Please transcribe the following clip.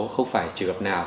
không phải trường hợp nào